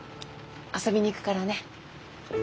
遊びに行くからね。